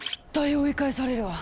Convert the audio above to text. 追い返されるわ。